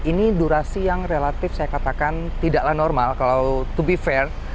ini durasi yang relatif saya katakan tidaklah normal kalau to be fair